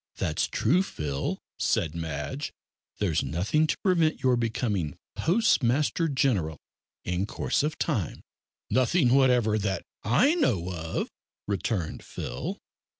"That's true, Phil," said Madge; "there's nothing to prevent your becoming Postmaster General in course of time." "Nothing whatever, that I know of," returned Phil.